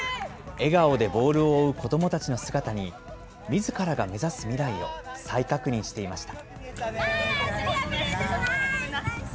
笑顔でボールを追う子どもたちの姿に、みずからが目指す未来を再確認していました。